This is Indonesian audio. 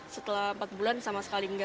setelah empat bulan sama sekali enggak